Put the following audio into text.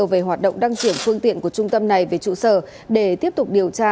về hoạt động đăng kiểm phương tiện của trung tâm này về trụ sở để tiếp tục điều tra